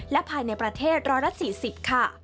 และภายในประเทศร้อยละ๔๐ค่ะ